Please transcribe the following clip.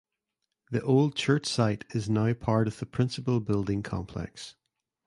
The old church site is now part of the Principal building complex.